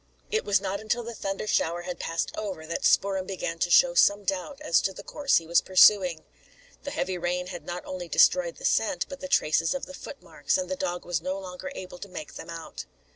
It was not until the thunder shower had passed over, that Spoor'em began to show some doubt as to the course he was pursuing. The heavy rain had not only destroyed the scent but the traces of the footmarks, and the dog was no longer able to make them out.